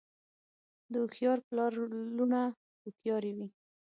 د هوښیار پلار لوڼه هوښیارې وي.